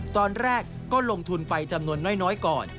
ตอนแรกก็ลงทุนไปจำนวนน้อยก่อน